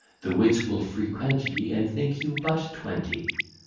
The wits will frequent ye, And think you but twenty.